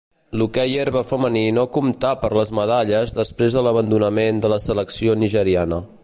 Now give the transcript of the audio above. L'hoquei herba femení no comptà per les medalles després de l'abandonament de la selecció nigeriana.